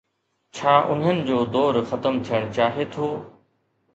ڇا انهن جو دور ختم ٿيڻ چاهي ٿو؟